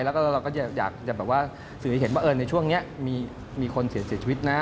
แล้วก็เราก็อยากจะแบบว่าสื่อให้เห็นว่าในช่วงนี้มีคนเสียชีวิตนะ